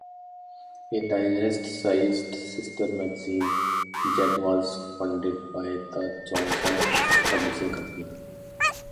A digest-sized sister magazine, "Jet", was founded by the Johnson Publishing Company.